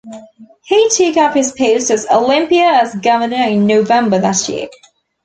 He took up his post at Olympia as governor in November that year.